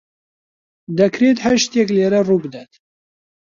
دەکرێت هەر شتێک لێرە ڕووبدات.